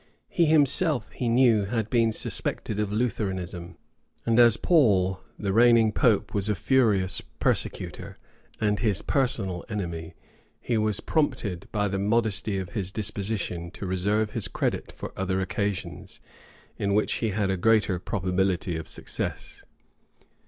He himself, he knew, had been suspected of Lutheranism; and as Paul, the reigning pope, was a furious persecutor, and his personal enemy, he was prompted, by the modesty of his disposition, to reserve his credit for other occasions, in which he had a greater probability of success.